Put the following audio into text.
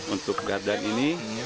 untuk gardan ini